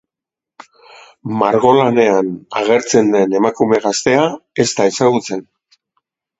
Margolanean agertzen den emakume gaztea ez da ezagutzen.